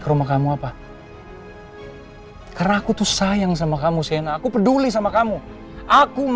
kerjaan banyak yang ilang